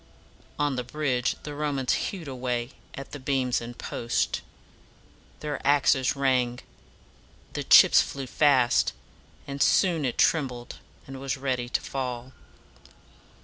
On the bridge the Romans hewed away at the beams and posts. Their axes rang, the chips flew fast; and soon it trembled, and was ready to fall.